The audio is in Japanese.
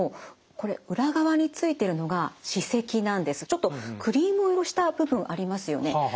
ちょっとクリーム色した部分ありますよね。